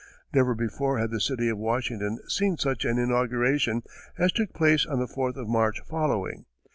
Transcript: Never before had the city of Washington seen such an inauguration as took place on the fourth of March following.